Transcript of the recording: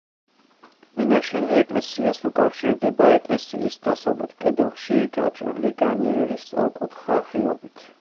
მინაშენი ეკლესიას უკავშირდება ეკლესიის დასავლეთ კედელში გაჭრილი განიერი სწორკუთხა ღიობით.